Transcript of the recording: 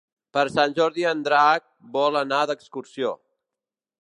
Per Sant Jordi en Drac vol anar d'excursió.